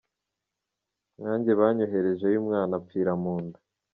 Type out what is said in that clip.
Nkanjye banyoherejeyo umwana ampfira mu nda.